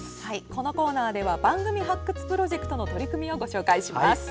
このコーナーでは番組発掘プロジェクトの取り組みをご紹介します。